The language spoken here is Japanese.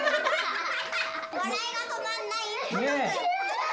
笑いが止まんない。